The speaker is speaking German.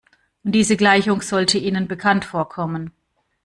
Und diese Gleichung sollte Ihnen bekannt vorkommen.